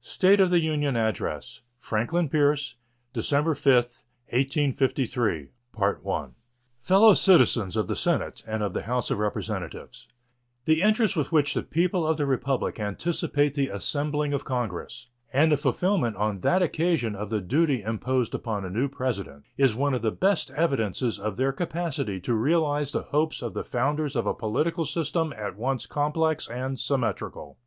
State of the Union Address Franklin Pierce December 5, 1853 Fellow Citizens of the Senate and of the House of Representatives: The interest with which the people of the Republic anticipate the assembling of Congress and the fulfillment on that occasion of the duty imposed upon a new President is one of the best evidences of their capacity to realize the hopes of the founders of a political system at once complex and symmetrical.